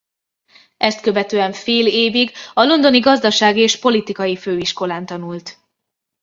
Ezt követően fél évig a londoni gazdasági és politikai főiskolán tanult.